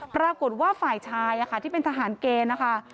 ปรากฏว่าฝ่ายชายที่เป็นทหารเกณฑ์นะคะ